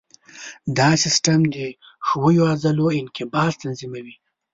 دا سیستم د ښویو عضلو انقباض تنظیموي.